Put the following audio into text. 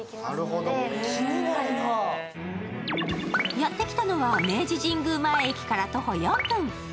やって来たのは明治神宮前駅から徒歩４分。